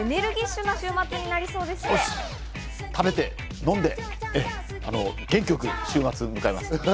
食べて飲んで元気よく週末を迎えます。